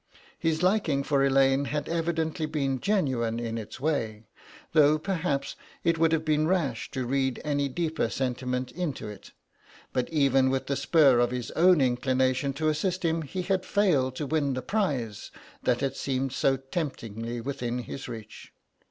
His liking for Elaine had evidently been genuine in its way, though perhaps it would have been rash to read any deeper sentiment into it, but even with the spur of his own inclination to assist him he had failed to win the prize that had seemed so temptingly within his reach.